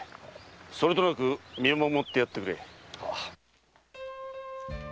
それとなく見守ってやってくれ。